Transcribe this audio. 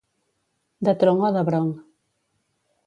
De tronc o de bronc.